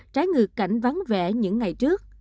trái ngược cảnh vắng vẻ những ngày trước